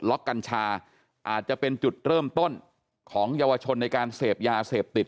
กัญชาอาจจะเป็นจุดเริ่มต้นของเยาวชนในการเสพยาเสพติด